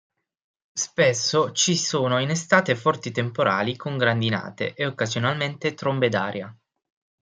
Spesso ci sono in estate forti temporali con grandinate e occasionalmente trombe d'aria.